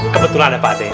kebetulan ada pak de